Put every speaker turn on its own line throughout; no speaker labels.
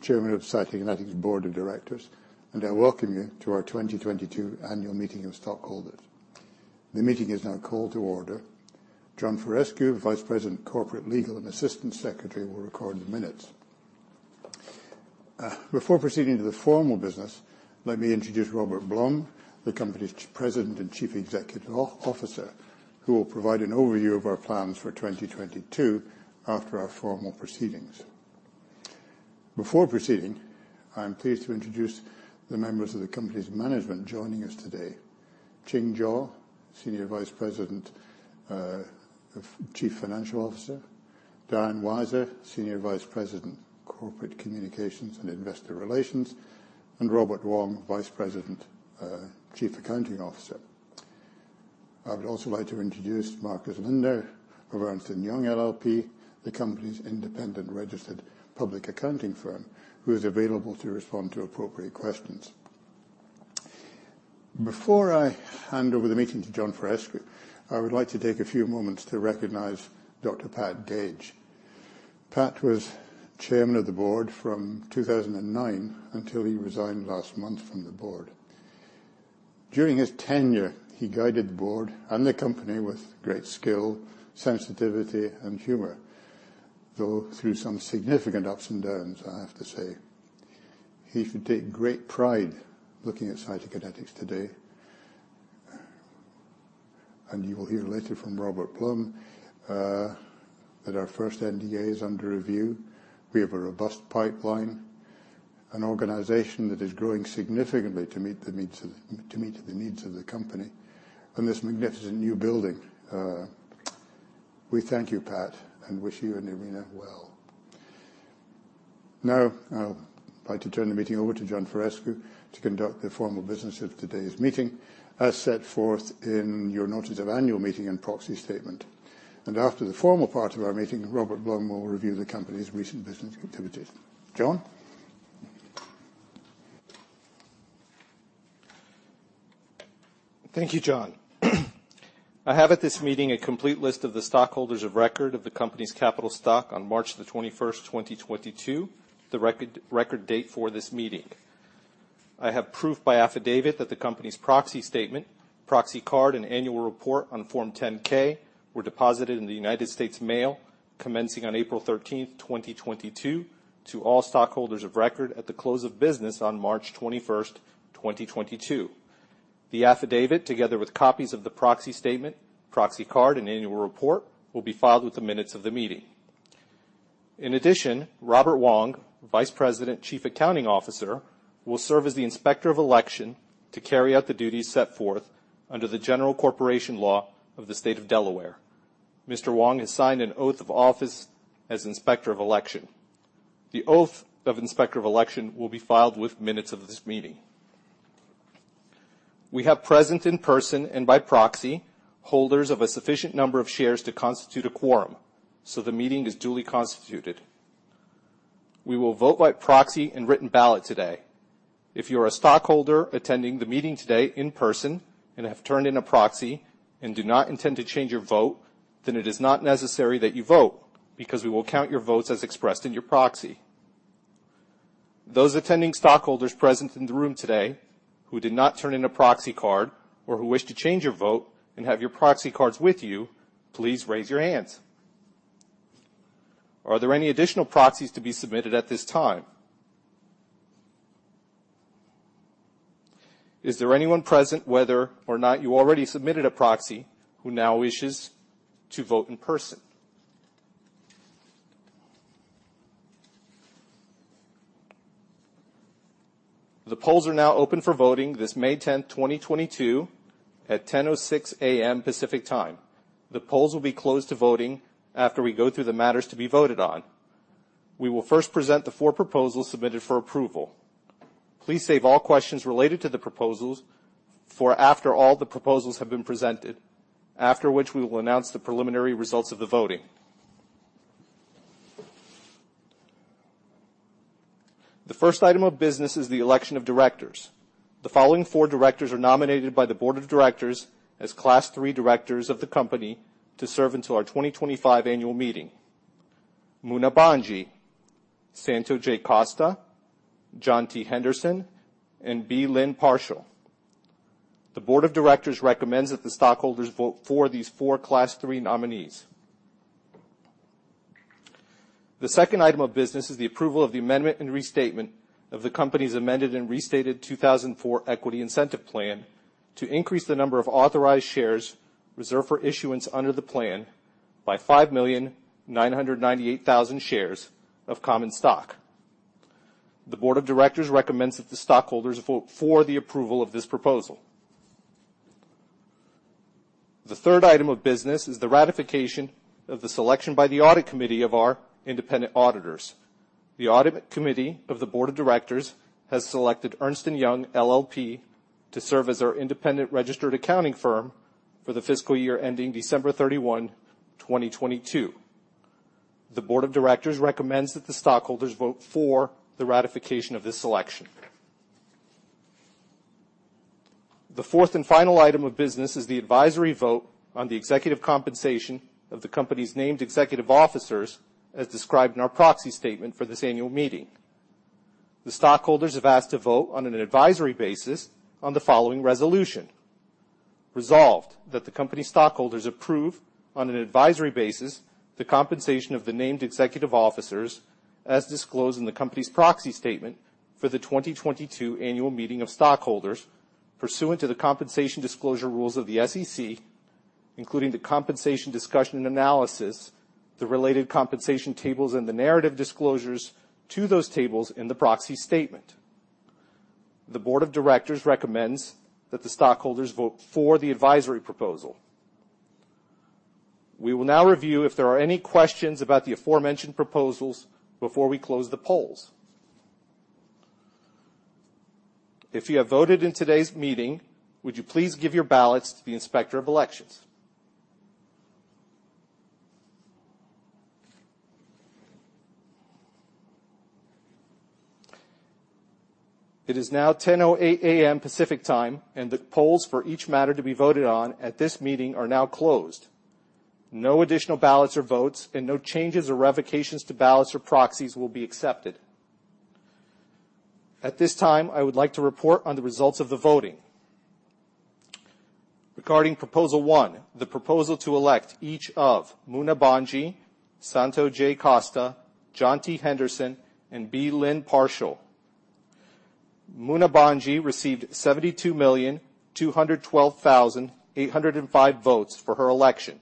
Chairman of Cytokinetics Board of Directors. I welcome you to our 2022 annual meeting of stockholders. The meeting is now called to order. John Forescue, Vice President, Corporate Legal and Assistant Secretary, will record the minutes. Before proceeding to the formal business, let me introduce Robert Blum, the company's President and Chief Executive Officer, who will provide an overview of our plans for 2022 after our formal proceedings. Before proceeding, I'm pleased to introduce the members of the company's management joining us today. Ching Jaw, Senior Vice President, Chief Financial Officer. Diane Weiser, Senior Vice President, Corporate Communications and Investor Relations. Robert Wong, Vice President, Chief Accounting Officer. I would also like to introduce Marcus Linder of Ernst & Young LLP, the company's independent registered public accounting firm, who is available to respond to appropriate questions. Before I hand over the meeting to John Forescue, I would like to take a few moments to recognize Dr. Pat Gage. Pat was chairman of the board from 2009 until he resigned last month from the board. During his tenure, he guided the board and the company with great skill, sensitivity, and humor, though through some significant ups and downs, I have to say. He should take great pride looking at Cytokinetics today. You will hear later from Robert Blum that our first NDA is under review. We have a robust pipeline, an organization that is growing significantly to meet the needs of the company, and this magnificent new building. We thank you, Pat, and wish you and Irina well. Now, I'd like to turn the meeting over to John Forescue to conduct the formal business of today's meeting, as set forth in your Notice of Annual Meeting and Proxy Statement. After the formal part of our meeting, Robert I. Blum will review the company's recent business activities. John?
Thank you, John. I have at this meeting a complete list of the stockholders of record of the company's capital stock on March 21, 2022, the record date for this meeting. I have proof by affidavit that the company's proxy statement, proxy card, and annual report on Form 10-K, were deposited in the United States mail commencing on April 13, 2022, to all stockholders of record at the close of business on March 21, 2022. The affidavit, together with copies of the proxy statement, proxy card, and annual report, will be filed with the minutes of the meeting. In addition, Robert Wong, Vice President, Chief Accounting Officer, will serve as the Inspector of Election to carry out the duties set forth under the general corporation law of the state of Delaware. Mr. Wong has signed an oath of office as Inspector of Election. The oath of Inspector of Election will be filed with minutes of this meeting. We have present in person and by proxy, holders of a sufficient number of shares to constitute a quorum, so the meeting is duly constituted. We will vote by proxy and written ballot today. If you're a stockholder attending the meeting today in person and have turned in a proxy and do not intend to change your vote, then it is not necessary that you vote, because we will count your votes as expressed in your proxy. Those attending stockholders present in the room today who did not turn in a proxy card or who wish to change your vote and have your proxy cards with you, please raise your hands. Are there any additional proxies to be submitted at this time? Is there anyone present, whether or not you already submitted a proxy, who now wishes to vote in person? The polls are now open for voting this May 10, 2022, at 10:06 A.M. Pacific Time. The polls will be closed to voting after we go through the matters to be voted on. We will first present the four proposals submitted for approval. Please save all questions related to the proposals for after all the proposals have been presented, after which we will announce the preliminary results of the voting. The first item of business is the election of directors. The following four directors are nominated by the board of directors as Class Three directors of the company to serve until our 2025 annual meeting. Muna Bhanji, Santo J. Costa, John T. Henderson, and B. Lynne Parshall. The board of directors recommends that the stockholders vote for these four Class Three nominees. The second item of business is the approval of the amendment and restatement of the company's Amended and Restated 2004 Equity Incentive Plan to increase the number of authorized shares reserved for issuance under the plan by 5,998,000 shares of common stock. The board of directors recommends that the stockholders vote for the approval of this proposal. The third item of business is the ratification of the selection by the audit committee of our independent auditors. The audit committee of the board of directors has selected Ernst & Young LLP to serve as our independent registered accounting firm for the fiscal year ending December 31, 2022. The board of directors recommends that the stockholders vote for the ratification of this election. The fourth and final item of business is the advisory vote on the executive compensation of the company's named executive officers, as described in our proxy statement for this annual meeting. The stockholders have asked to vote on an advisory basis on the following resolution. Resolved, that the company stockholders approve on an advisory basis the compensation of the named executive officers as disclosed in the company's proxy statement for the 2022 annual meeting of stockholders pursuant to the compensation disclosure rules of the SEC, including the compensation discussion and analysis, the related compensation tables, and the narrative disclosures to those tables in the proxy statement. The board of directors recommends that the stockholders vote for the advisory proposal. We will now review if there are any questions about the aforementioned proposals before we close the polls. If you have voted in today's meeting, would you please give your ballots to the Inspector of Elections? It is now 10:08 A.M. Pacific Time, and the polls for each matter to be voted on at this meeting are now closed. No additional ballots or votes and no changes or revocations to ballots or proxies will be accepted. At this time, I would like to report on the results of the voting. Regarding proposal one, the proposal to elect each of Muna Bhanji, Santo J. Costa, John T. Henderson, and B. Lynne Parshall. Muna Bhanji received 72,212,805 votes for her election.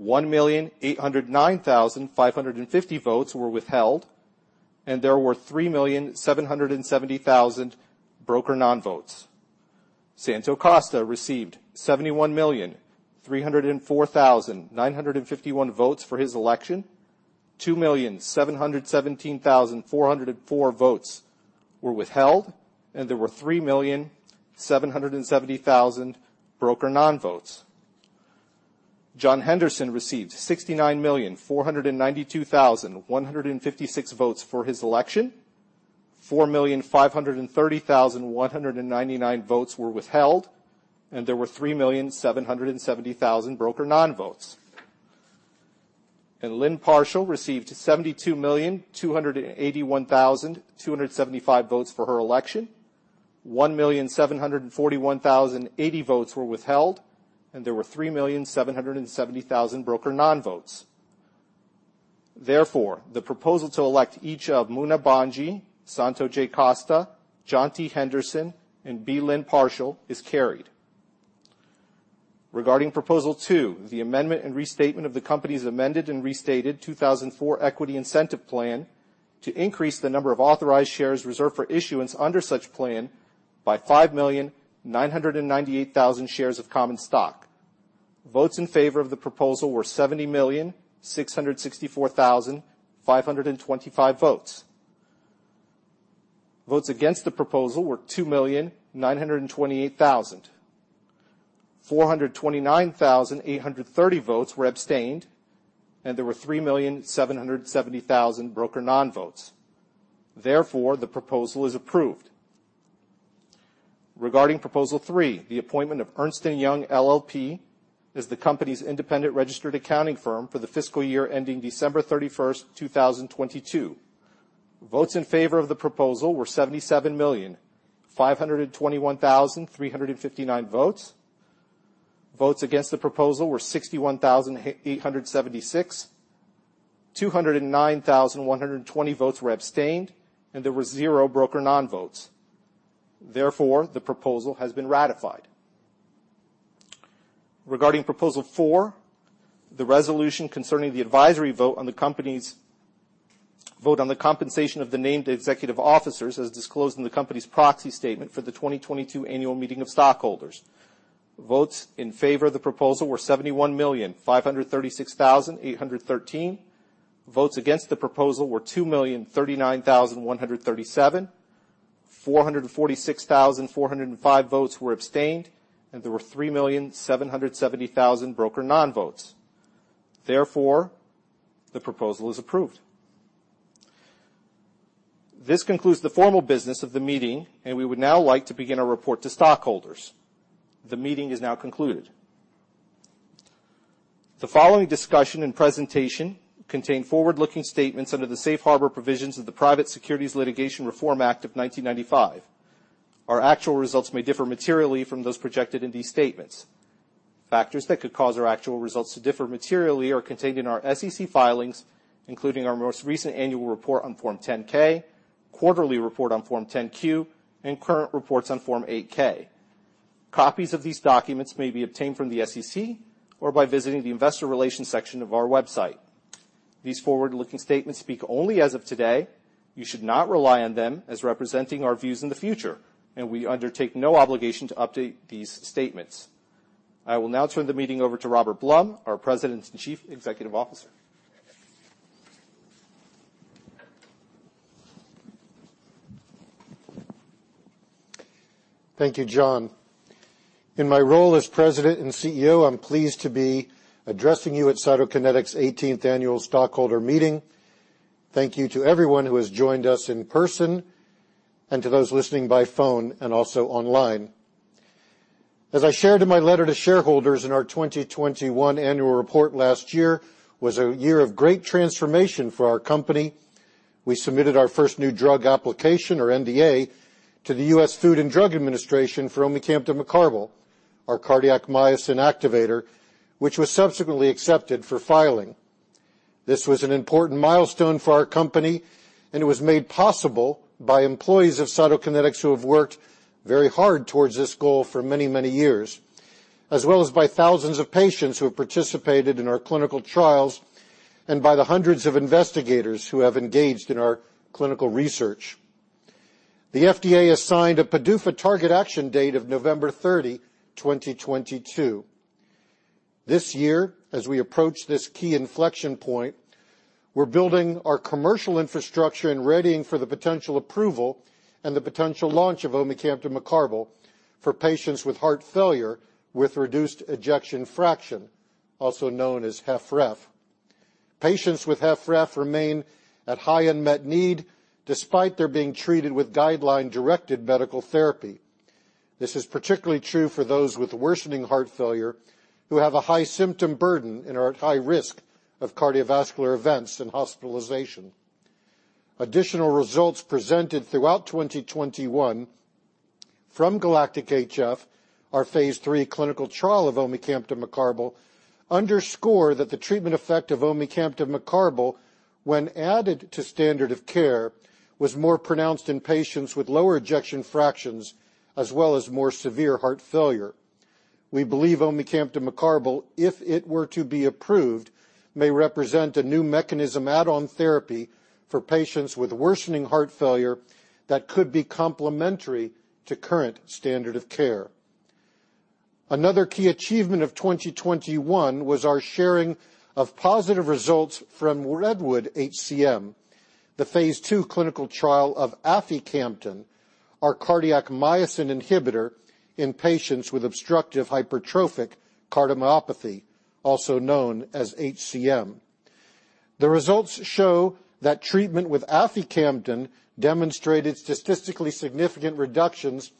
1,809,550 votes were withheld, and there were 3,770,000 broker non-votes. Santo J. Costa received 71,304,951 votes for his election. 2,717,404 votes were withheld, and there were 3,770,000 broker non-votes. John T. Henderson received 69,492,156 votes for his election. 4,530,199 votes were withheld, and there were 3,770,000 broker non-votes. B. Lynne Parshall received 72,281,275 votes for her election. 1,741,080 votes were withheld, and there were 3,770,000 broker non-votes. Therefore, the proposal to elect each of Muna Bhanji, Santo J. Costa, John T. Henderson, and B. Lynne Parshall is carried. Regarding proposal two, the amendment and restatement of the company's Amended and Restated 2004 Equity Incentive Plan to increase the number of authorized shares reserved for issuance under such plan by 5,998,000 shares of common stock. Votes in favor of the proposal were 70,664,525 votes. Votes against the proposal were 2,928,000. 429,830 votes were abstained, and there were 3,770,000 broker non-votes. Therefore, the proposal is approved. Regarding proposal three, the appointment of Ernst & Young LLP as the company's independent registered accounting firm for the fiscal year ending December 31, 2022. Votes in favor of the proposal were 77,521,359 votes. Votes against the proposal were 61,876. 209,120 votes were abstained, and there were zero broker non-votes. Therefore, the proposal has been ratified. Regarding proposal four, the resolution concerning the advisory vote on the company's vote on the compensation of the named executive officers, as disclosed in the company's proxy statement for the 2022 annual meeting of stockholders. Votes in favor of the proposal were 71,536,813. Votes against the proposal were 2,039,137. 446,405 votes were abstained, and there were 3,770,000 broker non-votes. Therefore, the proposal is approved. This concludes the formal business of the meeting, and we would now like to begin our report to stockholders. The meeting is now concluded. The following discussion and presentation contain forward-looking statements under the Safe Harbor provisions of the Private Securities Litigation Reform Act of 1995. Our actual results may differ materially from those projected in these statements. Factors that could cause our actual results to differ materially are contained in our SEC filings, including our most recent annual report on Form 10-K, quarterly report on Form 10-Q, and current reports on Form 8-K. Copies of these documents may be obtained from the SEC or by visiting the investor relations section of our website. These forward-looking statements speak only as of today. You should not rely on them as representing our views in the future, and we undertake no obligation to update these statements. I will now turn the meeting over to Robert I. Blum, our President and Chief Executive Officer.
Thank you, John. In my role as President and CEO, I'm pleased to be addressing you at Cytokinetics' eighteenth annual stockholder meeting. Thank you to everyone who has joined us in person and to those listening by phone and also online. As I shared in my letter to shareholders in our 2021 annual report, last year was a year of great transformation for our company. We submitted our first new drug application, or NDA, to the U.S. Food and Drug Administration for omecamtiv mecarbil, our cardiac myosin activator, which was subsequently accepted for filing. This was an important milestone for our company, and it was made possible by employees of Cytokinetics who have worked very hard towards this goal for many, many years, as well as by thousands of patients who have participated in our clinical trials, and by the hundreds of investigators who have engaged in our clinical research. The FDA assigned a PDUFA target action date of November 30, 2022. This year, as we approach this key inflection point, we're building our commercial infrastructure and readying for the potential approval and the potential launch of omecamtiv mecarbil for patients with heart failure with reduced ejection fraction, also known as HFrEF. Patients with HFrEF remain at high unmet need despite their being treated with guideline-directed medical therapy. This is particularly true for those with worsening heart failure who have a high symptom burden and are at high risk of cardiovascular events and hospitalization. Additional results presented throughout 2021 from GALACTIC-HF, our phase III clinical trial of omecamtiv mecarbil, underscore that the treatment effect of omecamtiv mecarbil when added to standard of care was more pronounced in patients with lower ejection fractions as well as more severe heart failure. We believe omecamtiv mecarbil, if it were to be approved, may represent a new mechanism add-on therapy for patients with worsening heart failure that could be complementary to current standard of care. Another key achievement of 2021 was our sharing of positive results from REDWOOD-HCM, the phase II clinical trial of aficamten, our cardiac myosin inhibitor in patients with obstructive hypertrophic cardiomyopathy, also known as HCM. The results show that treatment with aficamten demonstrated statistically significant reductions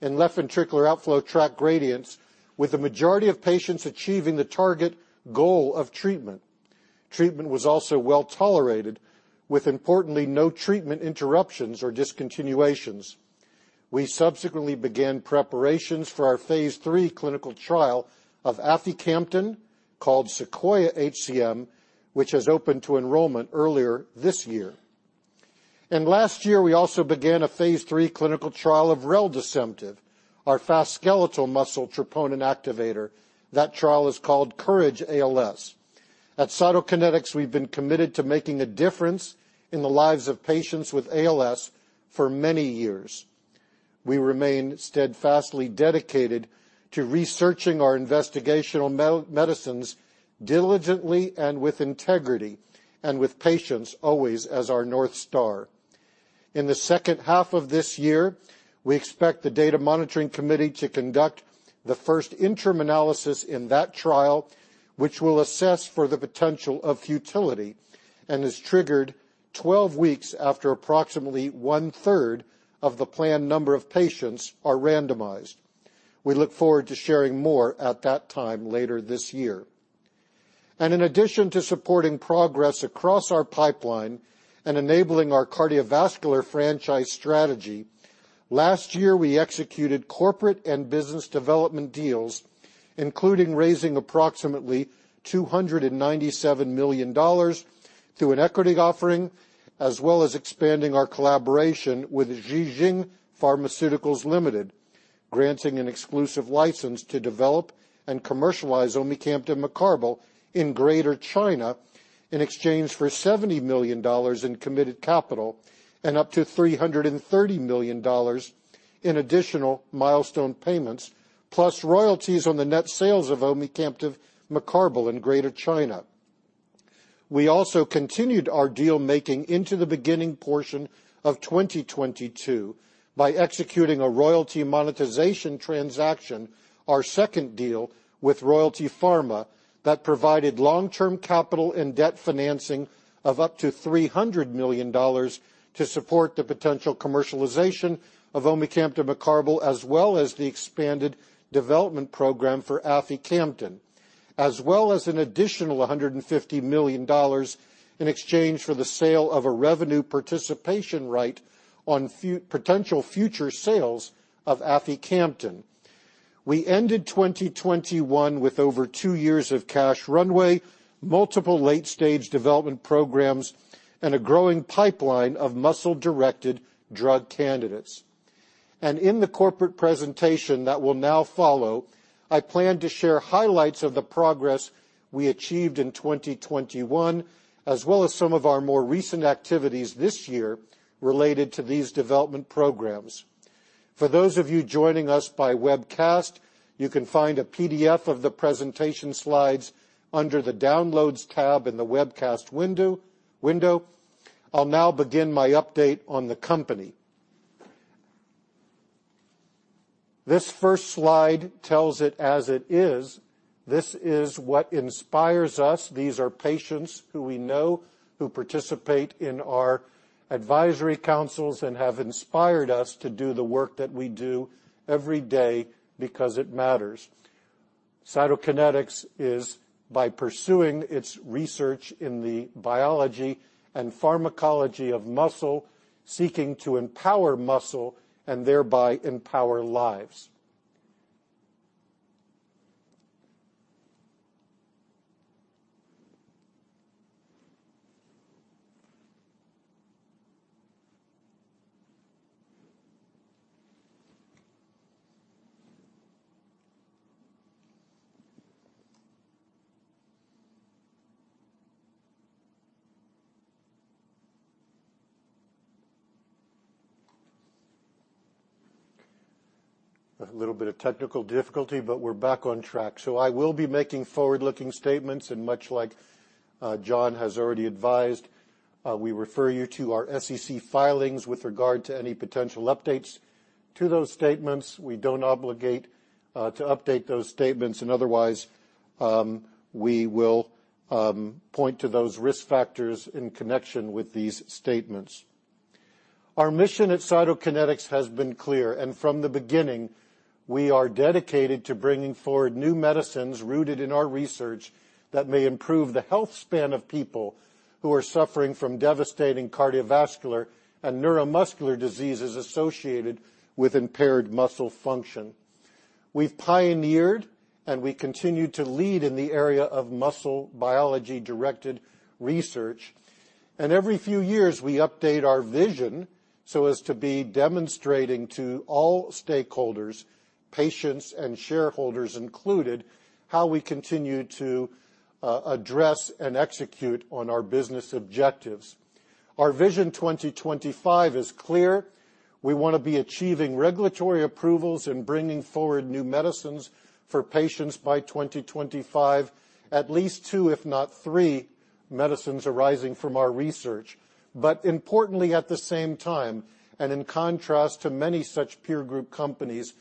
in left ventricular outflow tract gradients, with the majority of patients achieving the target goal of treatment. Treatment was also well-tolerated, with importantly no treatment interruptions or discontinuations. We subsequently began preparations for our phase III clinical trial of aficamten, called SEQUOIA-HCM, which has opened to enrollment earlier this year. Last year, we also began a phase III clinical trial of reldesemtiv, our fast skeletal muscle troponin activator. That trial is called COURAGE-ALS. At Cytokinetics, we've been committed to making a difference in the lives of patients with ALS for many years. We remain steadfastly dedicated to researching our investigational medicines diligently and with integrity, and with patients always as our North Star. In the second half of this year, we expect the data monitoring committee to conduct the first interim analysis in that trial, which will assess for the potential of futility and is triggered 12 weeks after approximately one-third of the planned number of patients are randomized. We look forward to sharing more at that time later this year. In addition to supporting progress across our pipeline and enabling our cardiovascular franchise strategy, last year we executed corporate and business development deals, including raising approximately $297 million through an equity offering, as well as expanding our collaboration with Ji Xing Pharmaceuticals Limited, granting an exclusive license to develop and commercialize omecamtiv mecarbil in Greater China in exchange for $70 million in committed capital and up to $330 million in additional milestone payments, plus royalties on the net sales of omecamtiv mecarbil in Greater China. We also continued our deal-making into the beginning portion of 2022 by executing a royalty monetization transaction, our second deal with Royalty Pharma, that provided long-term capital and debt financing of up to $300 million to support the potential commercialization of omecamtiv mecarbil, as well as the expanded development program for aficamten, as well as an additional $150 million in exchange for the sale of a revenue participation right on potential future sales of aficamten. We ended 2021 with over two years of cash runway, multiple late-stage development programs, and a growing pipeline of muscle-directed drug candidates. In the corporate presentation that will now follow, I plan to share highlights of the progress we achieved in 2021, as well as some of our more recent activities this year related to these development programs. For those of you joining us by webcast, you can find a PDF of the presentation slides under the Downloads tab in the webcast window. I'll now begin my update on the company. This first slide tells it as it is. This is what inspires us. These are patients who we know, who participate in our advisory councils and have inspired us to do the work that we do every day because it matters. Cytokinetics is by pursuing its research in the biology and pharmacology of muscle, seeking to empower muscle and thereby empower lives. A little bit of technical difficulty, but we're back on track. I will be making forward-looking statements, and much like John has already advised, we refer you to our SEC filings with regard to any potential updates to those statements. We don't obligate to update those statements and otherwise, we will point to those risk factors in connection with these statements. Our mission at Cytokinetics has been clear, and from the beginning, we are dedicated to bringing forward new medicines rooted in our research that may improve the health span of people who are suffering from devastating cardiovascular and neuromuscular diseases associated with impaired muscle function. We've pioneered, and we continue to lead in the area of muscle biology-directed research. Every few years, we update our vision so as to be demonstrating to all stakeholders, patients and shareholders included, how we continue to address and execute on our business objectives. Our Vision 2025 is clear. We want to be achieving regulatory approvals and bringing forward new medicines for patients by 2025, at least two, if not three, medicines arising from our research. Importantly at the same time, and in contrast to many such peer group companies,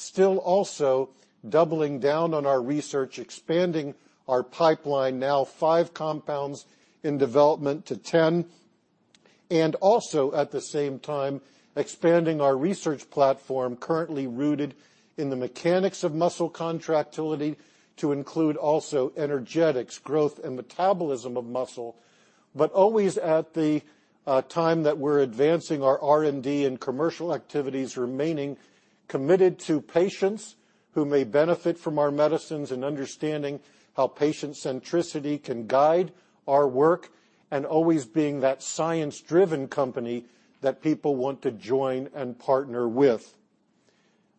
still also doubling down on our research, expanding our pipeline, now five compounds in development to 10. Also at the same time, expanding our research platform currently rooted in the mechanics of muscle contractility to include also energetics, growth, and metabolism of muscle. Always at the time that we're advancing our R&D and commercial activities, remaining committed to patients who may benefit from our medicines and understanding how patient centricity can guide our work, and always being that science-driven company that people want to join and partner with.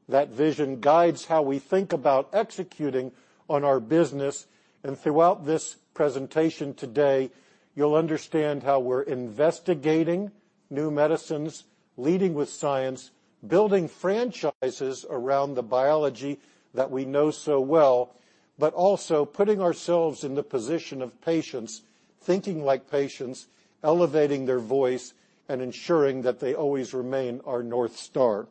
That vision guides how we think about executing on our business, and throughout this presentation today, you'll understand how we're investigating new medicines, leading with science, building franchises around the biology that we know so well, but also putting ourselves in the position of patients, thinking like patients, elevating their voice, and ensuring that they always remain our North Star.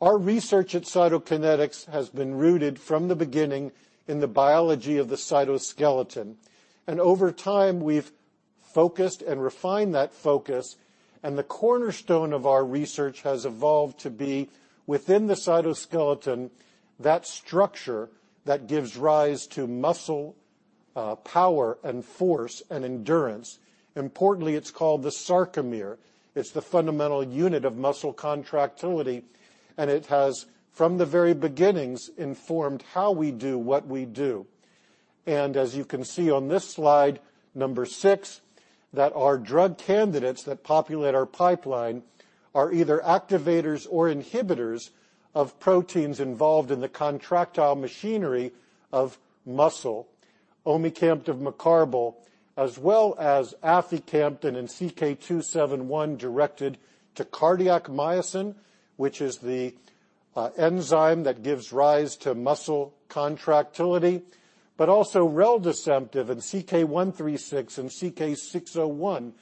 Our research at Cytokinetics has been rooted from the beginning in the biology of the cytoskeleton, and over time, we've focused and refined that focus, and the cornerstone of our research has evolved to be within the cytoskeleton, that structure that gives rise to muscle, power and force and endurance. Importantly, it's called the sarcomere. It's the fundamental unit of muscle contractility, and it has from the very beginnings informed how we do what we do. As you can see on this slide number six, that our drug candidates that populate our pipeline are either activators or inhibitors of proteins involved in the contractile machinery of muscle. Omecamtiv mecarbil, as well as aficamten and CK-271 directed to cardiac myosin, which is the enzyme that gives rise to muscle contractility. Also reldesemtiv and CK-136 and CK-601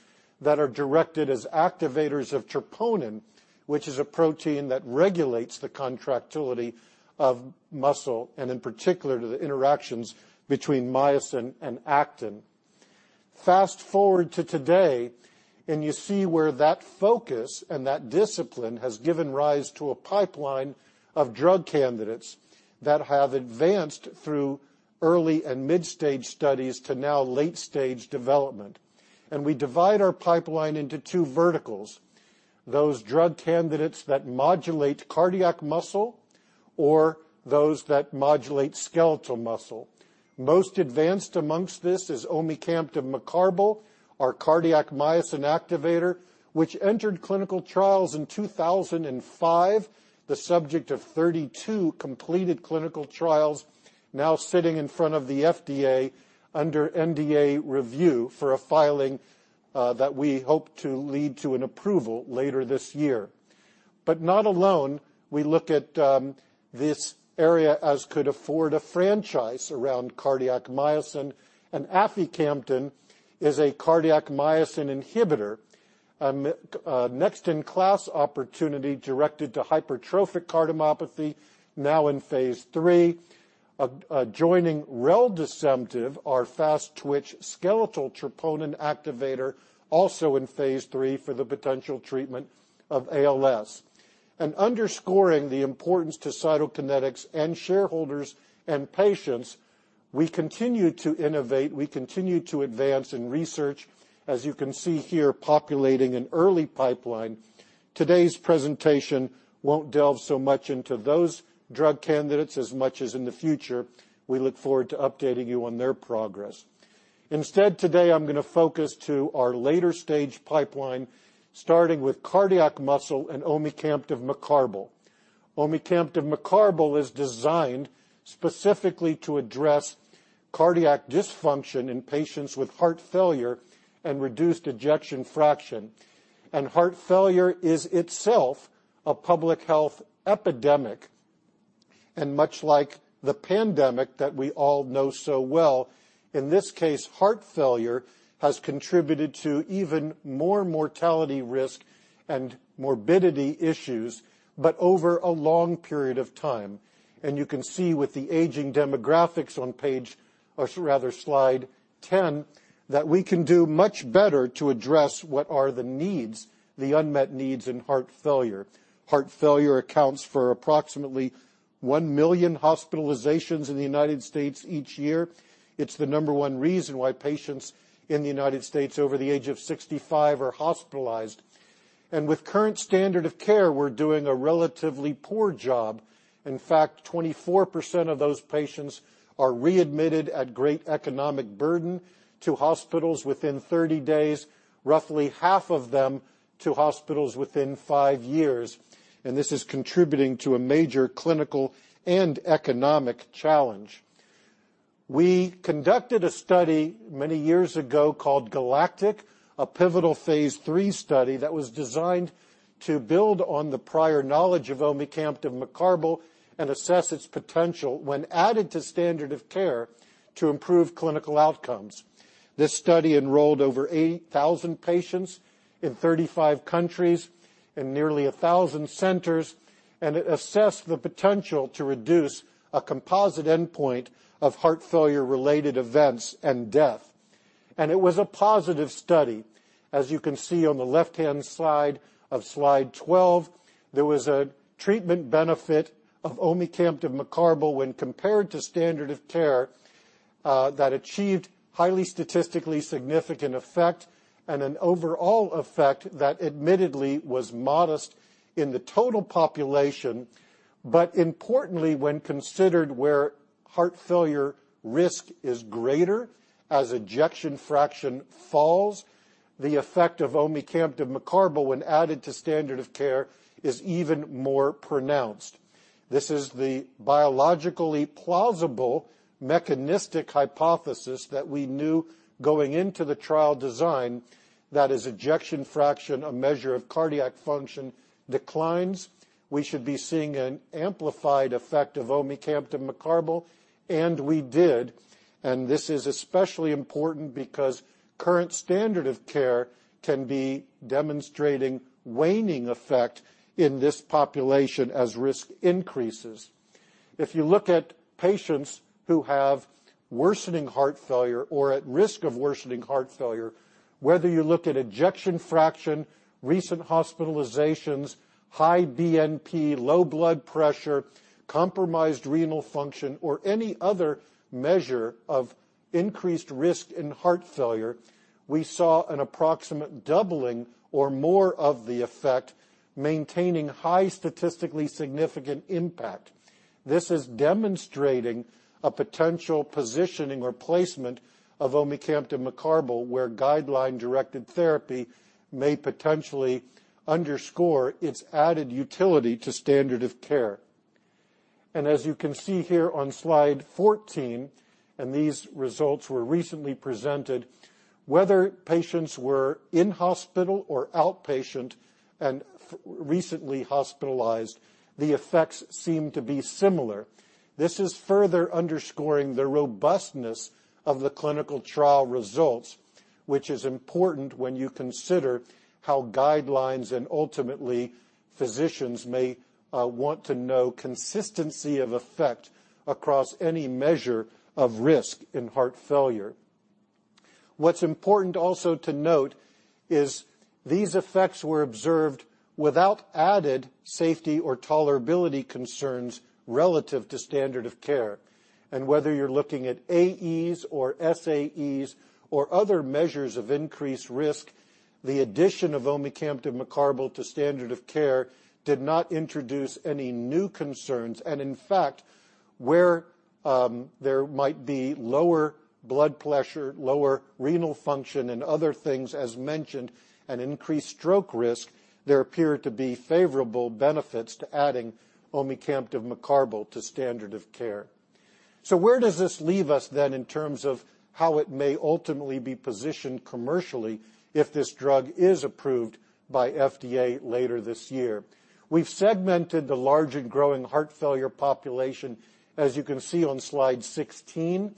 that are directed as activators of troponin, which is a protein that regulates the contractility of muscle, and in particular to the interactions between myosin and actin. Fast-forward to today, and you see where that focus and that discipline has given rise to a pipeline of drug candidates that have advanced through early and mid-stage studies to now late-stage development. We divide our pipeline into two verticals, those drug candidates that modulate cardiac muscle or those that modulate skeletal muscle. Most advanced amongst this is omecamtiv mecarbil, our cardiac myosin activator, which entered clinical trials in 2005, the subject of 32 completed clinical trials now sitting in front of the FDA under NDA review for a filing that we hope to lead to an approval later this year. Not alone, we look at this area as could afford a franchise around cardiac myosin, and aficamten is a cardiac myosin inhibitor, next-in-class opportunity directed to hypertrophic cardiomyopathy now in phase III. Joining reldesemtiv, our fast-twitch skeletal troponin activator, also in phase III for the potential treatment of ALS. Underscoring the importance to Cytokinetics and shareholders and patients, we continue to innovate, we continue to advance in research, as you can see here, populating an early pipeline. Today's presentation won't delve so much into those drug candidates as much as in the future we look forward to updating you on their progress. Instead, today, I'm gonna focus to our later-stage pipeline, starting with cardiac muscle and omecamtiv mecarbil. Omecamtiv mecarbil is designed specifically to address cardiac dysfunction in patients with heart failure and reduced ejection fraction. Heart failure is itself a public health epidemic, and much like the pandemic that we all know so well, in this case, heart failure has contributed to even more mortality risk and morbidity issues, but over a long period of time. You can see with the aging demographics on page, rather slide 10, that we can do much better to address what are the needs, the unmet needs in heart failure. Heart failure accounts for approximately one million hospitalizations in the United States each year. It's the number one reason why patients in the United States over the age of 65 are hospitalized. With current standard of care, we're doing a relatively poor job. In fact, 24% of those patients are readmitted at great economic burden to hospitals within 30 days, roughly half of them to hospitals within five years. This is contributing to a major clinical and economic challenge. We conducted a study many years ago called GALACTIC, a pivotal phase III study that was designed to build on the prior knowledge of omecamtiv mecarbil and assess its potential when added to standard of care to improve clinical outcomes. This study enrolled over 8,000 patients in 35 countries in nearly 1,000 centers, and it assessed the potential to reduce a composite endpoint of heart failure-related events and death. It was a positive study. As you can see on the left-hand side of slide 12, there was a treatment benefit of omecamtiv mecarbil when compared to standard of care, that achieved highly statistically significant effect and an overall effect that admittedly was modest in the total population. Importantly, when considered where heart failure risk is greater as ejection fraction falls, the effect of omecamtiv mecarbil when added to standard of care is even more pronounced. This is the biologically plausible mechanistic hypothesis that we knew going into the trial design, that as ejection fraction, a measure of cardiac function, declines, we should be seeing an amplified effect of omecamtiv mecarbil, and we did. This is especially important because current standard of care can be demonstrating waning effect in this population as risk increases. If you look at patients who have worsening heart failure or at risk of worsening heart failure, whether you look at ejection fraction, recent hospitalizations, high BNP, low blood pressure, compromised renal function, or any other measure of increased risk in heart failure, we saw an approximate doubling or more of the effect, maintaining high statistically significant impact. This is demonstrating a potential positioning or placement of omecamtiv mecarbil where guideline-directed therapy may potentially underscore its added utility to standard of care. As you can see here on slide 14, these results were recently presented, whether patients were in-hospital or outpatient and recently hospitalized, the effects seem to be similar. This is further underscoring the robustness of the clinical trial results, which is important when you consider how guidelines and ultimately physicians may want to know consistency of effect across any measure of risk in heart failure. What's important also to note is these effects were observed without added safety or tolerability concerns relative to standard of care. Whether you're looking at AEs or SAEs or other measures of increased risk, the addition of omecamtiv mecarbil to standard of care did not introduce any new concerns. In fact, where there might be lower blood pressure, lower renal function, and other things as mentioned, and increased stroke risk, there appeared to be favorable benefits to adding omecamtiv mecarbil to standard of care. Where does this leave us then in terms of how it may ultimately be positioned commercially if this drug is approved by FDA later this year? We've segmented the large and growing heart failure population, as you can see on slide 16.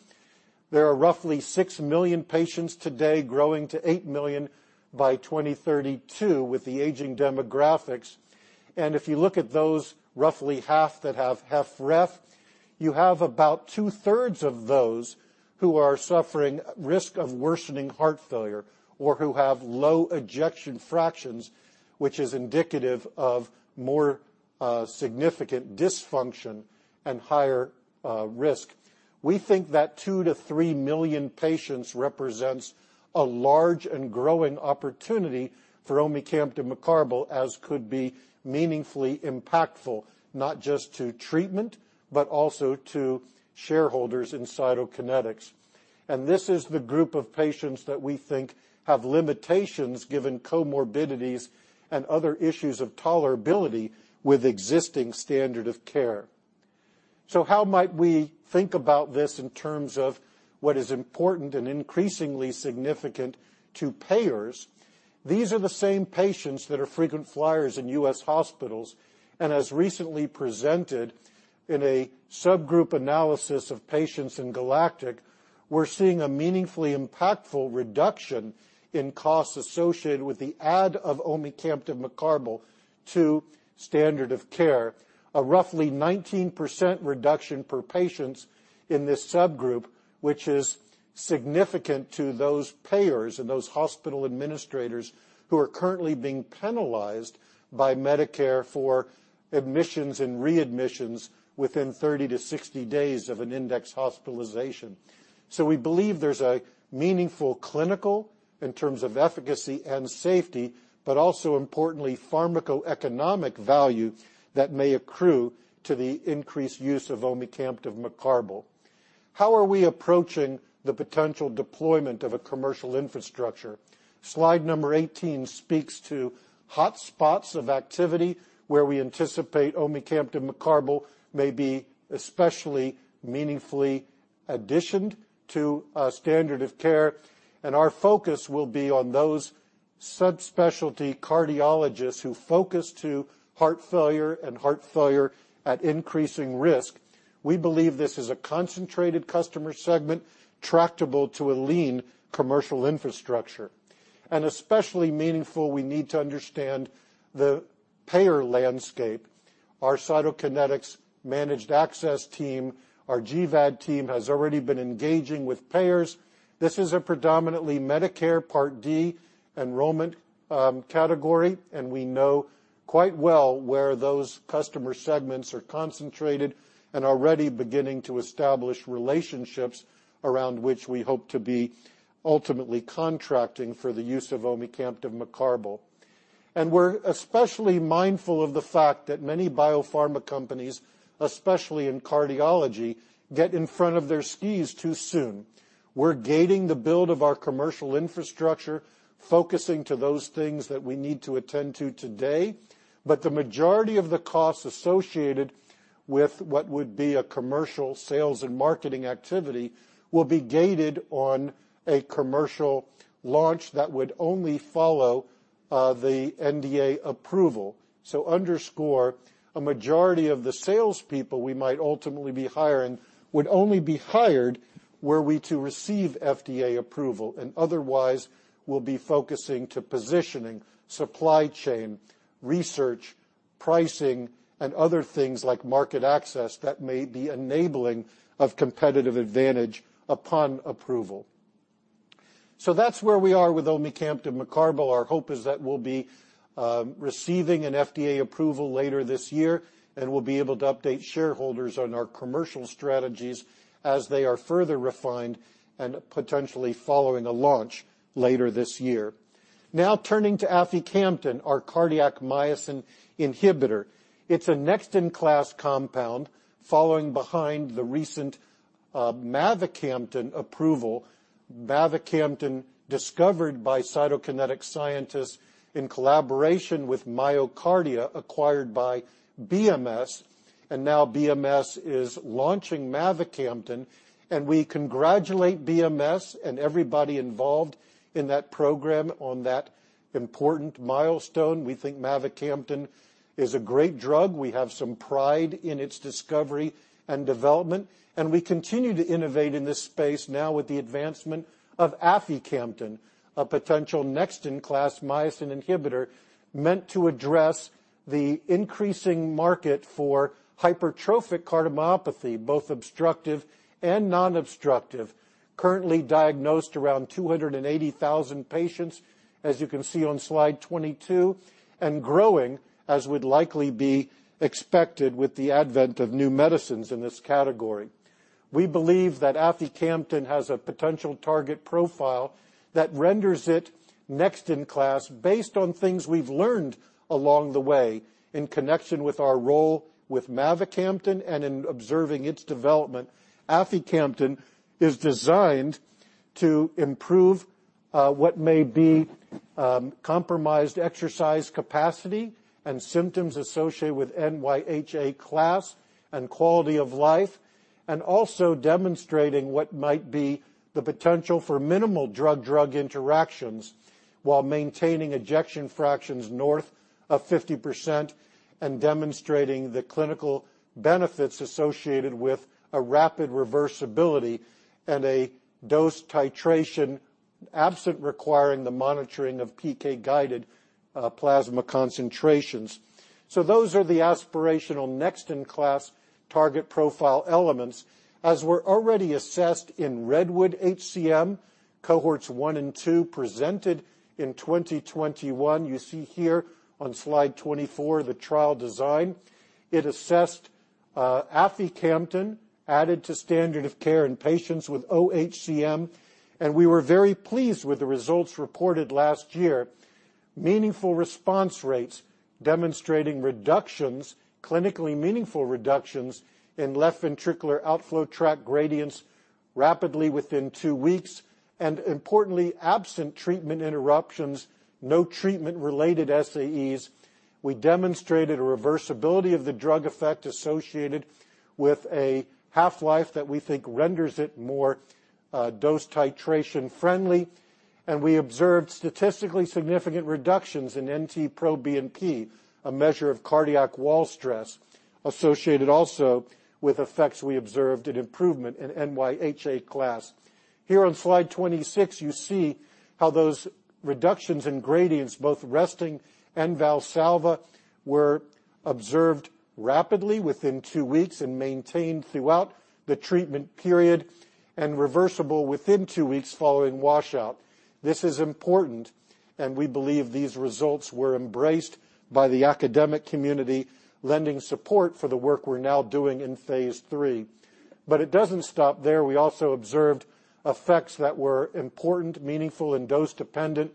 There are roughly six million patients today growing to eight million by 2032 with the aging demographics. If you look at those roughly half that have HFrEF, you have about two-thirds of those who are suffering risk of worsening heart failure or who have low ejection fractions, which is indicative of more significant dysfunction and higher risk. We think that two to three million patients represents a large and growing opportunity for omecamtiv mecarbil as could be meaningfully impactful, not just to treatment, but also to shareholders in Cytokinetics. This is the group of patients that we think have limitations given comorbidities and other issues of tolerability with existing standard of care. How might we think about this in terms of what is important and increasingly significant to payers? These are the same patients that are frequent flyers in U.S. hospitals. As recently presented in a subgroup analysis of patients in GALACTIC, we're seeing a meaningfully impactful reduction in costs associated with the add of omecamtiv mecarbil to standard of care. A roughly 19% reduction in patients in this subgroup, which is significant to those payers and those hospital administrators who are currently being penalized by Medicare for admissions and readmissions within 30 to 60 days of an index hospitalization. We believe there's a meaningful clinical benefit in terms of efficacy and safety, but also importantly pharmacoeconomic value that may accrue to the increased use of omecamtiv mecarbil. How are we approaching the potential deployment of a commercial infrastructure? Slide number 18 speaks to hotspots of activity where we anticipate omecamtiv mecarbil may be especially a meaningful addition to a standard of care, and our focus will be on those subspecialty cardiologists who focus on heart failure and heart failure patients at increasing risk. We believe this is a concentrated customer segment tractable to a lean commercial infrastructure. It's especially meaningful, we need to understand the payer landscape. Our Cytokinetics managed access team, our GMAD team, has already been engaging with payers. This is a predominantly Medicare Part D enrollment, category, and we know quite well where those customer segments are concentrated and already beginning to establish relationships around which we hope to be ultimately contracting for the use of omecamtiv mecarbil. We're especially mindful of the fact that many biopharma companies, especially in cardiology, get in front of their skis too soon. We're gating the build of our commercial infrastructure, focusing to those things that we need to attend to today. The majority of the costs associated with what would be a commercial sales and marketing activity will be gated on a commercial launch that would only follow, the NDA approval. Underscoring a majority of the salespeople we might ultimately be hiring would only be hired were we to receive FDA approval, and otherwise we'll be focusing on positioning, supply chain, research, pricing, and other things like market access that may be enabling of competitive advantage upon approval. That's where we are with omecamtiv mecarbil. Our hope is that we'll be receiving an FDA approval later this year, and we'll be able to update shareholders on our commercial strategies as they are further refined and potentially following a launch later this year. Now turning to aficamten, our cardiac myosin inhibitor. It's a next-in-class compound following behind the recent mavacamten approval. Mavacamten discovered by Cytokinetics scientists in collaboration with MyoKardia acquired by BMS. Now BMS is launching mavacamten, and we congratulate BMS and everybody involved in that program on that important milestone. We think mavacamten is a great drug. We have some pride in its discovery and development, and we continue to innovate in this space now with the advancement of aficamten, a potential next-in-class myosin inhibitor meant to address the increasing market for hypertrophic cardiomyopathy, both obstructive and non-obstructive. Currently diagnosed around 280,000 patients, as you can see on slide 22, and growing as would likely be expected with the advent of new medicines in this category. We believe that aficamten has a potential target profile that renders it next in class based on things we've learned along the way in connection with our role with mavacamten and in observing its development. Aficamten is designed to improve what may be compromised exercise capacity and symptoms associated with NYHA class and quality of life, and also demonstrating what might be the potential for minimal drug-drug interactions while maintaining ejection fractions north of 50% and demonstrating the clinical benefits associated with a rapid reversibility and a dose titration absent requiring the monitoring of PK-guided plasma concentrations. Those are the aspirational next-in-class target profile elements as were already assessed in REDWOOD-HCM, cohorts 1 and 2 presented in 2021. You see here on slide 24 the trial design. It assessed aficamten added to standard of care in patients with OHCM, and we were very pleased with the results reported last year. Meaningful response rates demonstrating reductions, clinically meaningful reductions in left ventricular outflow tract gradients rapidly within two weeks and importantly, absent treatment interruptions, no treatment related SAEs. We demonstrated a reversibility of the drug effect associated with a half-life that we think renders it more, dose titration friendly. We observed statistically significant reductions in NT-proBNP, a measure of cardiac wall stress associated also with effects we observed an improvement in NYHA class. Here on slide 26, you see how those reductions in gradients, both resting and Valsalva, were observed rapidly within two weeks and maintained throughout the treatment period and reversible within two weeks following washout. This is important, and we believe these results were embraced by the academic community, lending support for the work we're now doing in phase III. It doesn't stop there. We also observed effects that were important, meaningful, and dose-dependent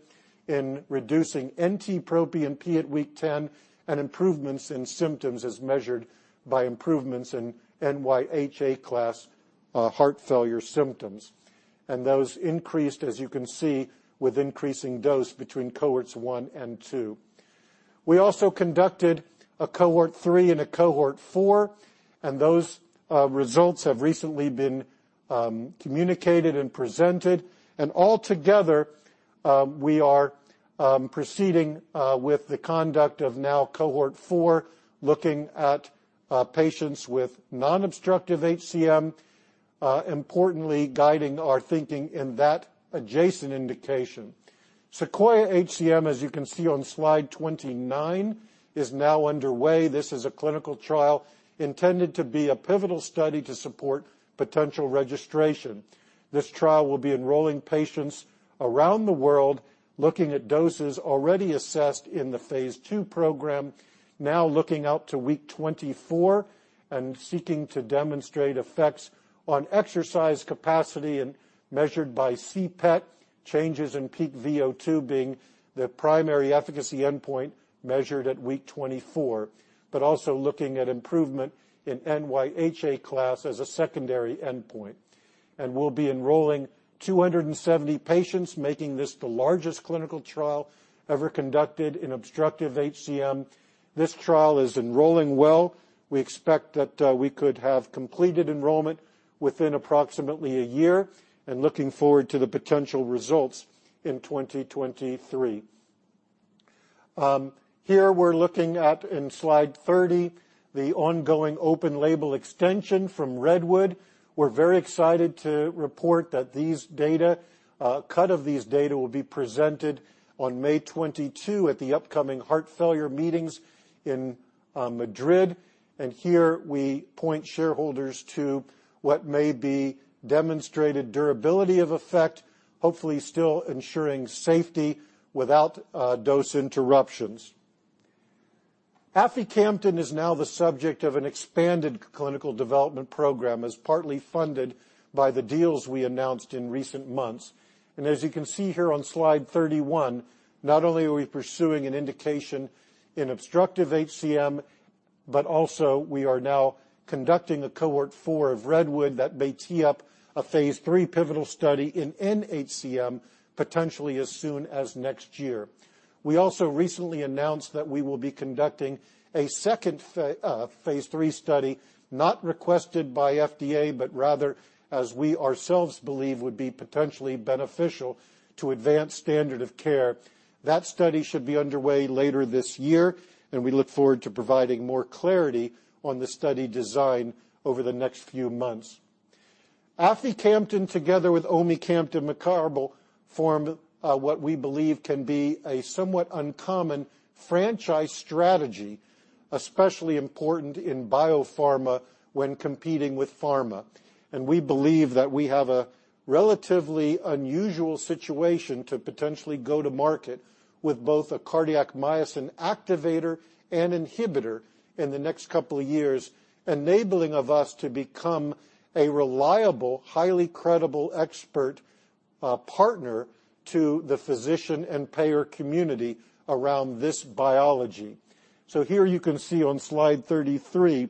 in reducing NT-proBNP at week 10 and improvements in symptoms as measured by improvements in NYHA class, heart failure symptoms. Those increased, as you can see, with increasing dose between cohorts 1 and 2. We also conducted a cohort 3 and a cohort 4, and those results have recently been communicated and presented. Altogether we are proceeding with the conduct of now cohort 4, looking at patients with non-obstructive HCM, importantly guiding our thinking in that adjacent indication. SEQUOIA-HCM, as you can see on slide 29, is now underway. This is a clinical trial intended to be a pivotal study to support potential registration. This trial will be enrolling patients around the world looking at doses already assessed in the phase II program, now looking out to week 24 and seeking to demonstrate effects on exercise capacity and measured by CPET, changes in peak VO2 being the primary efficacy endpoint measured at week 24. Also looking at improvement in NYHA class as a secondary endpoint. We'll be enrolling 270 patients, making this the largest clinical trial ever conducted in obstructive HCM. This trial is enrolling well. We expect that we could have completed enrollment within approximately a year and looking forward to the potential results in 2023. Here we're looking at slide 30, the ongoing open-label extension from Redwood. We're very excited to report that these data cutoff of these data will be presented on May 22 at the upcoming heart failure meetings in Madrid. Here we point shareholders to what may be demonstrated durability of effect, hopefully still ensuring safety without dose interruptions. Aficamten is now the subject of an expanded clinical development program as partly funded by the deals we announced in recent months. As you can see here on slide 31, not only are we pursuing an indication in obstructive HCM, but also, we are now conducting a cohort 4 of REDWOOD-HCM that may tee up a phase III pivotal study in NHCM, potentially as soon as next year. We also recently announced that we will be conducting a second phase III study, not requested by FDA, but rather as we ourselves believe would be potentially beneficial to advance standard of care. That study should be underway later this year, and we look forward to providing more clarity on the study design over the next few months. Aficamten, together with omecamtiv mecarbil, form what we believe can be a somewhat uncommon franchise strategy, especially important in biopharma when competing with pharma. We believe that we have a relatively unusual situation to potentially go to market with both a cardiac myosin activator and inhibitor in the next couple of years, enabling of us to become a reliable, highly credible expert partner to the physician and payer community around this biology. Here you can see on slide 33,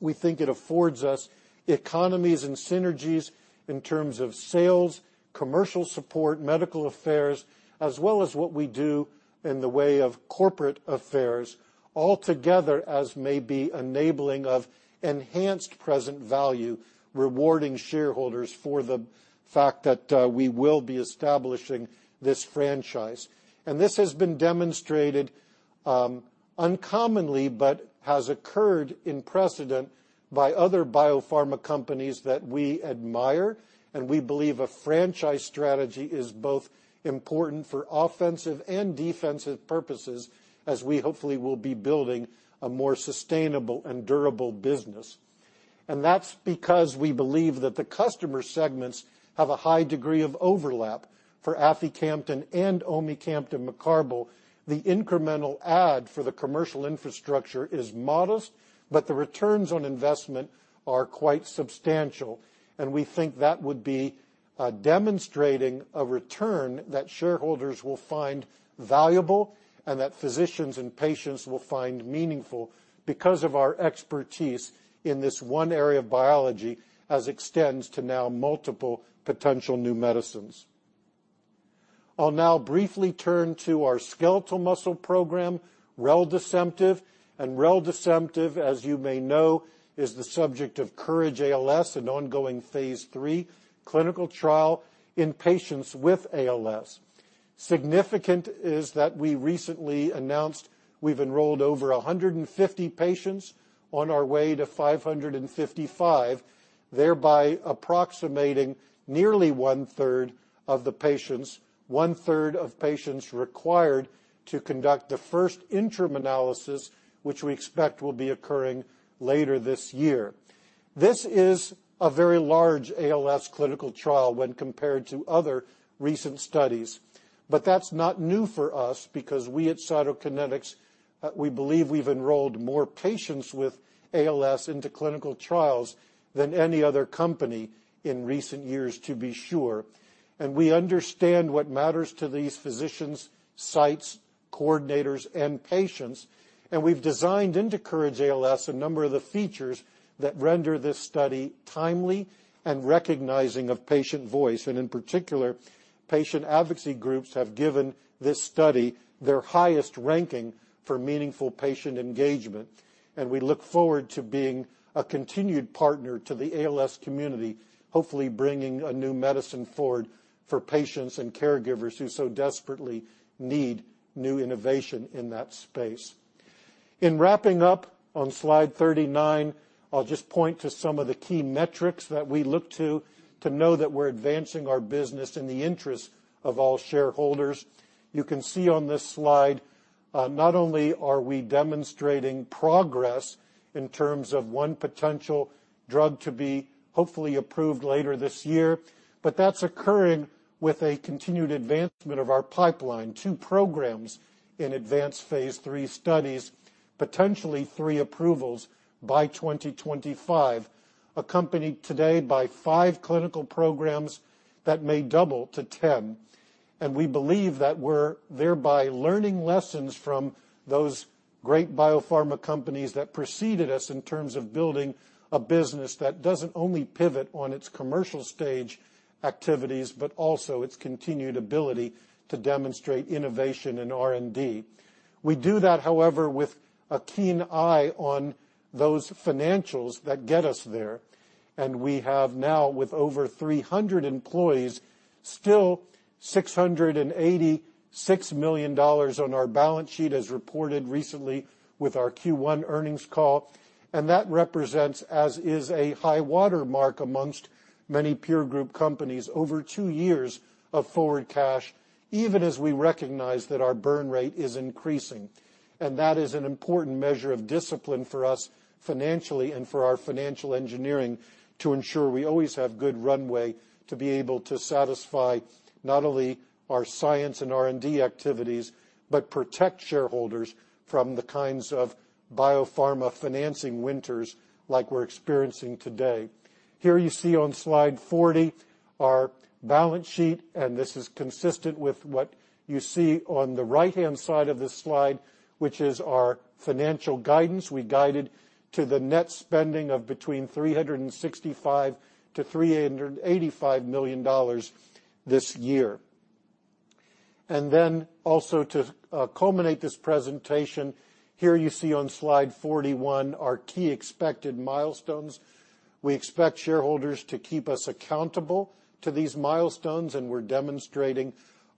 we think it affords us economies and synergies in terms of sales, commercial support, medical affairs, as well as what we do in the way of corporate affairs, altogether as may be enabling of enhanced present value, rewarding shareholders for the fact that we will be establishing this franchise. This has been demonstrated, uncommonly, but has occurred in precedent by other biopharma companies that we admire, and we believe a franchise strategy is both important for offensive and defensive purposes as we hopefully will be building a more sustainable and durable business. That's because we believe that the customer segments have a high degree of overlap for aficamten and omecamtiv mecarbil. The incremental add for the commercial infrastructure is modest, but the returns on investment are quite substantial. We think that would be demonstrating a return that shareholders will find valuable and that physicians and patients will find meaningful because of our expertise in this one area of biology as it extends to now multiple potential new medicines. I'll now briefly turn to our skeletal muscle program, reldesemtiv. Reldesemtiv, as you may know, is the subject of COURAGE-ALS, an ongoing phase III clinical trial in patients with ALS. Significant is that we recently announced we've enrolled over 150 patients, on our way to 555, thereby approximating nearly one-third of the patients, one-third of patients required to conduct the first interim analysis which we expect will be occurring later this year. This is a very large ALS clinical trial when compared to other recent studies, but that's not new for us because we at Cytokinetics, we believe we've enrolled more patients with ALS into clinical trials than any other company in recent years, to be sure. We understand what matters to these physicians, sites, coordinators, and patients, and we've designed into COURAGE-ALS a number of the features that render this study timely and recognizing of patient voice. In particular, patient advocacy groups have given this study their highest ranking for meaningful patient engagement. We look forward to being a continued partner to the ALS community, hopefully bringing a new medicine forward for patients and caregivers who so desperately need new innovation in that space. In wrapping up on slide 39, I'll just point to some of the key metrics that we look to to know that we're advancing our business in the interest of all shareholders. You can see on this slide, not only are we demonstrating progress in terms of one potential drug to be hopefully approved later this year, but that's occurring with a continued advancement of our pipeline. Two programs in advanced phase III studies, potentially three approvals by 2025, accompanied today by five clinical programs that may double to 10. We believe that we're thereby learning lessons from those great biopharma companies that preceded us in terms of building a business that doesn't only pivot on its commercial stage activities, but also its continued ability to demonstrate innovation in R&D. We do that, however, with a keen eye on those financials that get us there. We have now, with over 300 employees, still $686 million on our balance sheet as reported recently with our Q1 earnings call. That represents, as is a high water mark amongst many peer group companies, over two years of forward cash, even as we recognize that our burn rate is increasing. That is an important measure of discipline for us financially and for our financial engineering to ensure we always have good runway to be able to satisfy not only our science and R&D activities, but protect shareholders from the kinds of biopharma financing winters like we're experiencing today. Here you see on slide 40 our balance sheet, and this is consistent with what you see on the right-hand side of this slide, which is our financial guidance. We guided to the net spending of between $365 million-$385 million this year. Also to culminate this presentation, here you see on slide 41 our key expected milestones. We expect shareholders to keep us accountable to these milestones, and we're demonstrating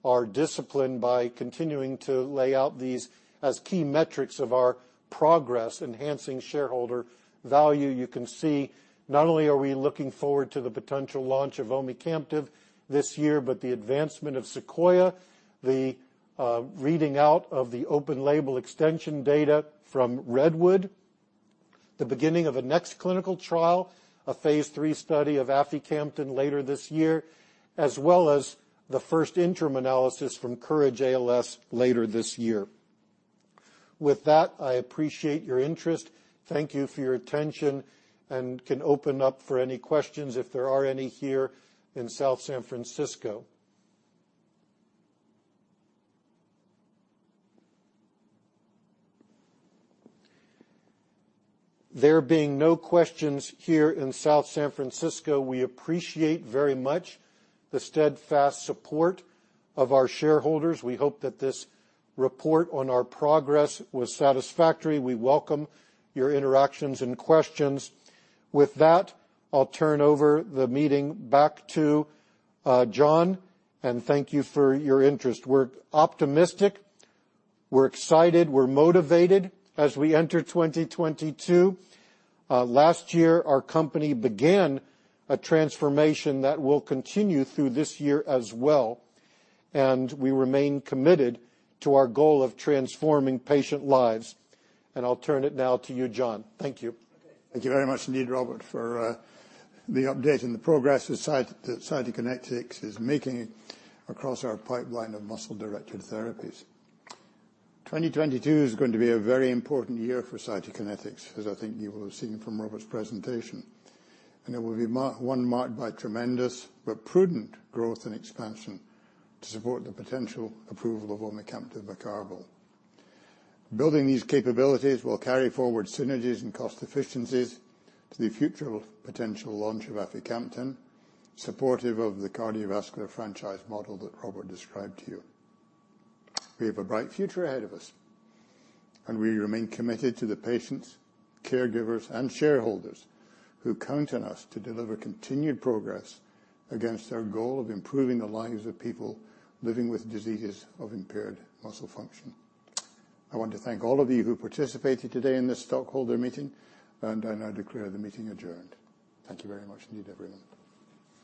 our discipline by continuing to lay out these as key metrics of our progress enhancing shareholder value. You can see not only are we looking forward to the potential launch of omecamtiv this year, but the advancement of SEQUOIA-HCM, the reading out of the open label extension data from REDWOOD-HCM, the beginning of a next clinical trial, a phase III study of aficamten later this year, as well as the first interim analysis from COURAGE-ALS later this year. With that, I appreciate your interest. Thank you for your attention and can open up for any questions if there are any here in South San Francisco. There being no questions here in South San Francisco, we appreciate very much the steadfast support of our shareholders. We hope that this report on our progress was satisfactory. We welcome your interactions and questions. With that, I'll turn over the meeting back to John and thank you for your interest. We're optimistic, we're excited, we're motivated as we enter 2022. Last year, our company began a transformation that will continue through this year as well. We remain committed to our goal of transforming patient lives. I'll turn it now to you, John. Thank you.
Thank you very much indeed, Robert, for the update and the progress that Cytokinetics is making across our pipeline of muscle-directed therapies. 2022 is going to be a very important year for Cytokinetics, as I think you will have seen from Robert's presentation. It will be one marked by tremendous but prudent growth and expansion to support the potential approval of omecamtiv mecarbil. Building these capabilities will carry forward synergies and cost efficiencies to the future potential launch of aficamten, supportive of the cardiovascular franchise model that Robert described to you. We have a bright future ahead of us, and we remain committed to the patients, caregivers, and shareholders who count on us to deliver continued progress against our goal of improving the lives of people living with diseases of impaired muscle function. I want to thank all of you who participated today in this stockholder meeting, and I now declare the meeting adjourned. Thank you very much indeed, everyone.